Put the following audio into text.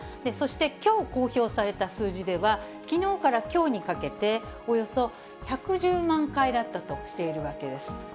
そして、きょう公表された数字では、きのうからきょうにかけて、およそ１１０万回だったとしているわけです。